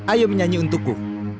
ayo menyanyi untukku